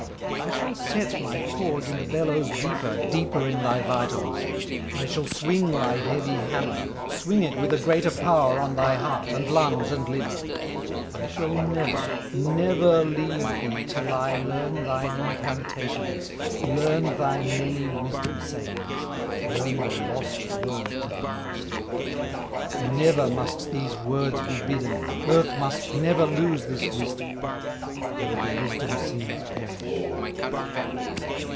"I shall set my forge and bellows Deeper, deeper in thy vitals; I shall swing my heavy hammer, Swing it with a greater power On thy heart, and lungs, and liver; I shall never, never leave thee Till I learn thine incantations, Learn thy many wisdom sayings, Learn the lost words of the Master; Never must these words be hidden, Earth must never lose this wisdom, Though the wisdom singers perish."